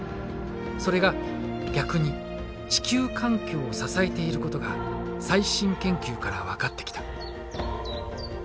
それが逆に地球環境を支えていることが最新研究から分かってきた。